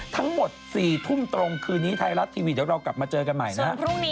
ทั้งหมด๔ทุ่มตรงคืนนี้ไทยรัฐทีวีเดี๋ยวเรากลับมาเจอกันใหม่นะครับ